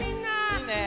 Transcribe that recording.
いいね！